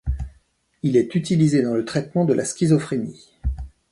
Il est utilisé dans le traitement de la schizophrénie.